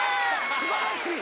素晴らしい！